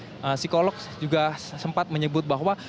psikolog juga sempat menyebut bahwa